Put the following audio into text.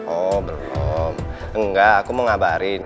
oh belum enggak aku mau ngabarin